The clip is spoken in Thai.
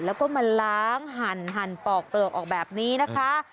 แล้วก็มาล้างหั่นปอกเปลือกออกแบบนี้นะคะ